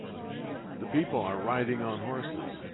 The people are riding on horses.